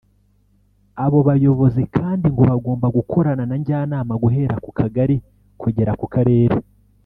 Abo bayobozi kandi ngo bagomba gukorana na Njyanama guhera ku Kagari kugeza ku Karere